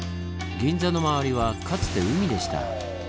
銀座のまわりはかつて海でした。